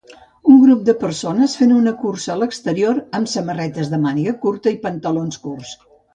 Un grup de persones fent una cursa a l'exterior amb samarretes de màniga curta i pantalons curts.